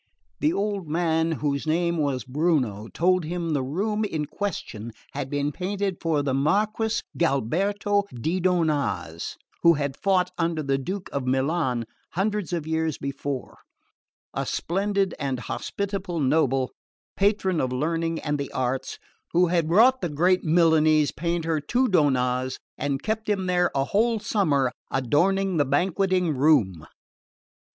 The old man, whose name was Bruno, told him the room in question had been painted for the Marquess Gualberto di Donnaz, who had fought under the Duke of Milan hundreds of years before: a splendid and hospitable noble, patron of learning and the arts, who had brought the great Milanese painter to Donnaz and kept him there a whole summer adorning the banqueting room.